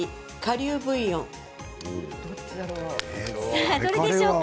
さあ、どれでしょうか？